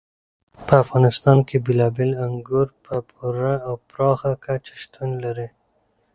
په افغانستان کې بېلابېل انګور په پوره او پراخه کچه شتون لري.